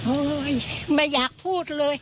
โอ้ยไม่อยากพูดเลย